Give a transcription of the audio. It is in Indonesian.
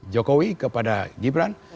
jokowi kepada gibran